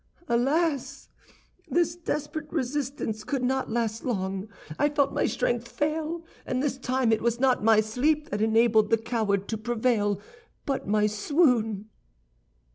"Alas! this desperate resistance could not last long. I felt my strength fail, and this time it was not my sleep that enabled the coward to prevail, but my swoon."